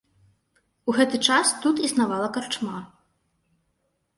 У гэты час тут існавала карчма.